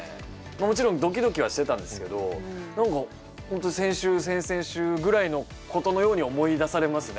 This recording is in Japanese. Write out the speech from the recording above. もちろんドキドキはしてたんですけど何か本当に先週先々週ぐらいのことのように思い出されますね